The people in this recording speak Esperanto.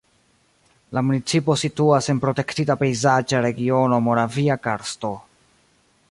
La municipo situas en protektita pejzaĝa regiono Moravia karsto.